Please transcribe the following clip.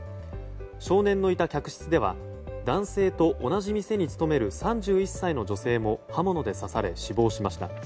少年のいた客室では男性と同じ店に勤める３１歳の女性も刃物で刺され、死亡しました。